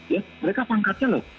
ya mereka pangkatnya loh